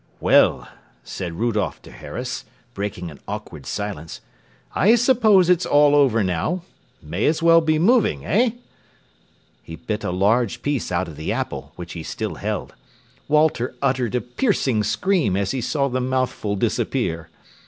"Well," said Rudolph der Harras, breaking an awkward silence, "I suppose it's all over now? May as well be moving, eh?" He bit a large piece out of the apple, which he still held. Walter uttered a piercing scream as he saw the mouthful disappear.